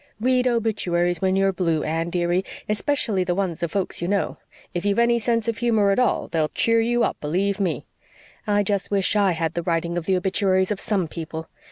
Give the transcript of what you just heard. Read obituaries when you're blue, Anne, dearie especially the ones of folks you know. If you've any sense of humor at all they'll cheer you up, believe ME. I just wish I had the writing of the obituaries of some people.